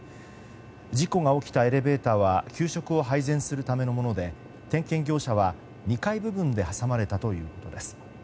事故が起きたエレベーターは給食を配膳するためのもので点検業者は２階部分で挟まれたということです。